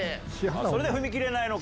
それで踏み切れないのか。